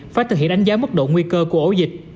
phát thực hiện ánh giá mức độ nguy cơ của ổ dịch